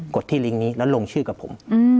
ดที่ลิงก์นี้แล้วลงชื่อกับผม